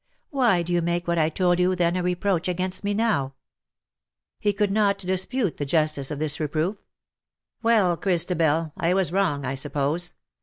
Why do you make what I told you then a reproach against me now ?" He could not dispute the justice of this re proof. '^ Well, Christabel, I was wrong, I suppose.